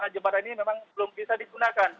jembatan ini memang belum bisa digunakan